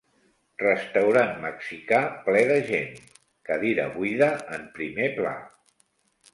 Restaurant mexicà ple de gent, cadira buida en primer pla